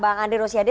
bang andri rosiade